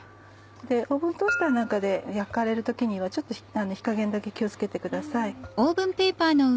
オーブントースターなんかで焼かれる時にはちょっと火加減だけ気を付けてください。